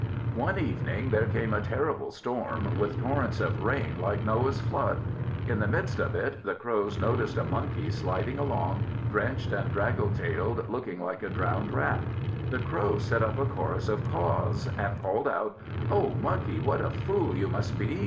One evening there came a terrible storm, with torrents of rain like Noah's flood. In the midst of it, the Crows noticed a Monkey sliding along, drenched and draggle tailed, looking like a drowned Rat. The Crows set up a chorus of caws, and called out "O Monkey, what a fool you must be!